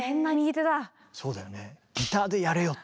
そうだよね。